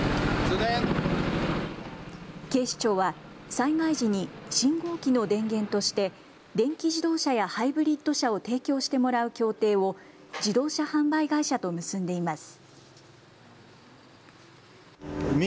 警視庁は災害時に信号機の電源として電気自動車やハイブリッド車を提供してもらう協定を自動車販売会社と結んでいます。